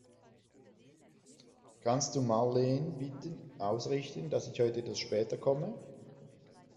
Kannst du Marleen bitte ausrichten, dass ich heute etwas später komme?